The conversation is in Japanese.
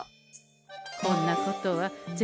こんなことは銭